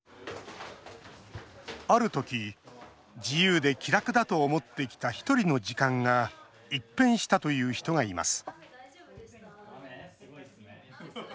ある時、自由で気楽だと思ってきたひとりの時間が一変したという人がいます